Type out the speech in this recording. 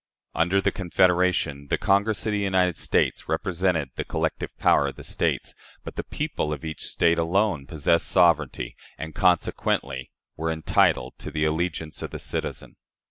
Under the Confederation, the Congress of the United States represented the collective power of the States; but the people of each State alone possessed sovereignty, and consequently were entitled to the allegiance of the citizen.